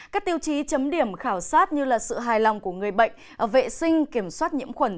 các tiêu chí chấm điểm khảo sát như sự hài lòng của người bệnh vệ sinh kiểm soát nhiễm khuẩn